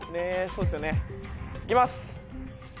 そうですよねいきます！